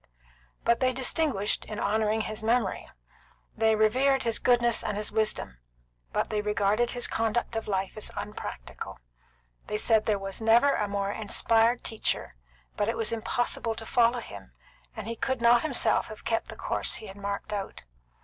But they distinguished, in honouring his memory. They revered his goodness and his wisdom, but they regarded his conduct of life as unpractical. They said there never was a more inspired teacher, but it was impossible to follow him, and he could not himself have kept the course he had marked out.